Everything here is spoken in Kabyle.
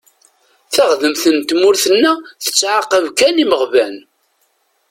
Taɣdemt n tmurt-nneɣ tettɛaqab kan imeɣban.